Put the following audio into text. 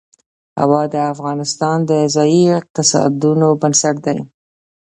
هوا د افغانستان د ځایي اقتصادونو بنسټ دی.